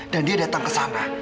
dan dia datang kesana